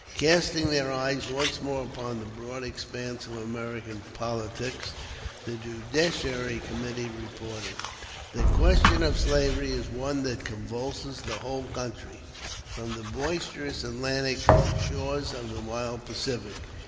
Casting their eyes once more upon the broad expanse of American politics, the Judiciary Committee reported: "The question of slavery is one that convulses the whole country, from the boisterous Atlantic to the shores of the mild Pacific.